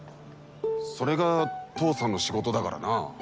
それが父さんの仕事だからな。